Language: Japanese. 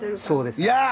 そうですね。